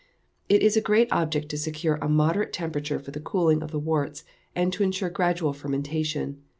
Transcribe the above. It is a great object to secure a moderate temperature for the cooling of the worts, and to insure gradual fermentation.